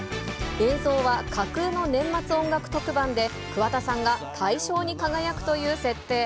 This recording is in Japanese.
映像は架空の年末音楽特番で桑田さんが大賞に輝くという設定。